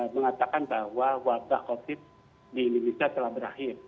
mengatakan bahwa wabah covid di indonesia telah berakhir